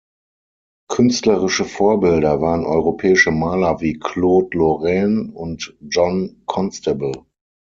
Künstlerische Vorbilder waren europäische Maler wie Claude Lorrain und John Constable.